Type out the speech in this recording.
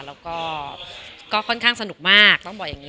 แล้วก็ค่อนข้างสนุกมากต้องบอกอย่างนี้